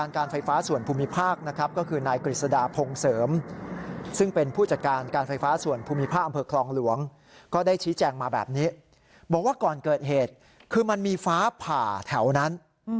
ก็ได้ชี้แจ้งมาแบบนี้บอกว่าก่อนเกิดเหตุคือมันมีฟ้าผ่าแถวนั้น